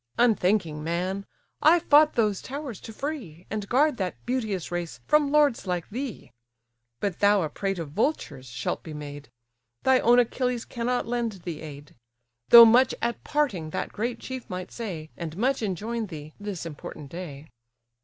Unthinking man! I fought those towers to free, And guard that beauteous race from lords like thee: But thou a prey to vultures shalt be made; Thy own Achilles cannot lend thee aid; Though much at parting that great chief might say, And much enjoin thee, this important day.